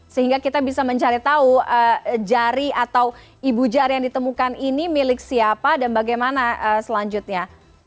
sehingga kita bisa mencari tahu jari atau ibu jari yang ditemukan ini milik siapa dan bagaimana selanjutnya